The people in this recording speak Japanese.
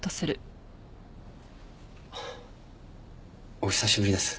お久しぶりです